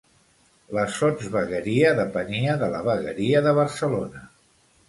La Sotsvegueria depenia de la vegueria de Barcelona.